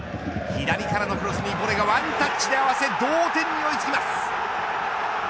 左からのクロスにボレがワンタッチで合わせ同点に追いつきます。